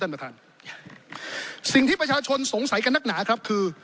ท่านประธานสิ่งที่ประชาชนสงสัยกันนักหนาครับคือ